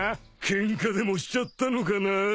ケンカでもしちゃったのかな？